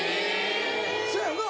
そやよな？